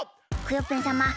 クヨッペンさま